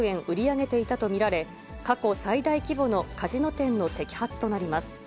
これまでにおよそ４９０億円売り上げていたと見られ、過去最大規模のカジノ店の摘発となります。